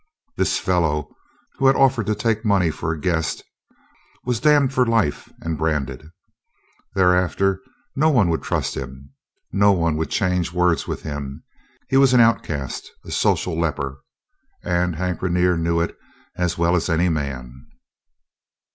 This fellow, who had offered to take money for a guest, was damned for life and branded. Thereafter no one would trust him, no one would change words with him; he was an outcast, a social leper. And Hank Rainer knew it as well as any man.